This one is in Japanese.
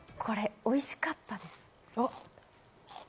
おいしかったです。